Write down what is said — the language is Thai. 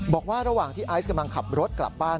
บอกว่าระหว่างที่ไอซ์กำลังขับรถกลับบ้าน